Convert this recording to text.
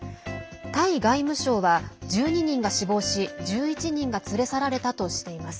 タイ外務省は１２人が死亡し１１人が連れ去られたとしています。